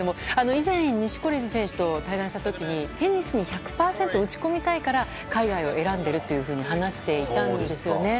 以前、錦織選手と対談した時にテニスに１００％打ち込みたいから海外を選んでいるというふうに話していたんですよね。